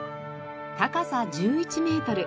高さ１１メートル。